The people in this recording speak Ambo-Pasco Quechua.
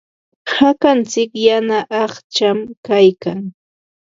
Hakantsik yana aqcham kaykan.